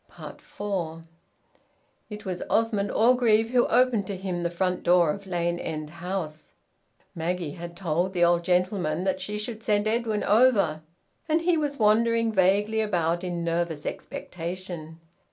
Four. It was Osmond Orgreave who opened to him the front door of Lane End House. Maggie had told the old gentleman that she should send Edwin over, and he was wandering vaguely about in nervous expectation.